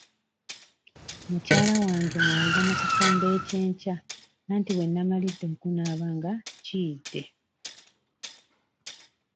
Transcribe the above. Mukyala wange mwangu mu kufumba ekyenkya anti we nnamalidde okunaaba nga kiyidde.